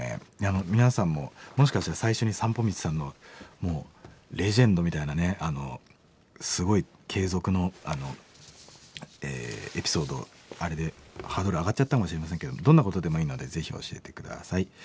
皆さんももしかしたら最初にサンポミチさんのもうレジェンドみたいなすごい継続のエピソードあれでハードル上がっちゃったかもしれませんけどどんなことでもいいのでぜひ教えて下さい。